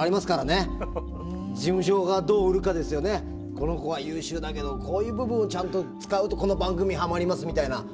この子は優秀だけどこういう部分をちゃんと使うとこの番組ハマりますみたいな。